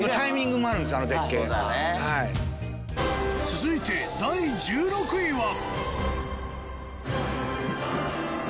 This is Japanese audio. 続いて第１６位は。